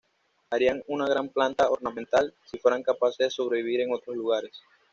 Harían una gran planta ornamental si fueran capaces de sobrevivir en otros lugares.